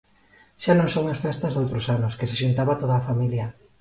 Xa non son as festas doutros anos, que se xuntaba toda a familia.